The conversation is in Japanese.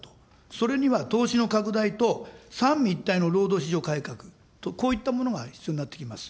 それには投資の拡大と、三位一体の労働市場改革、こういったものが必要になってきます。